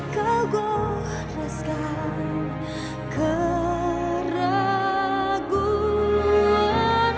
kau goreskan keraguan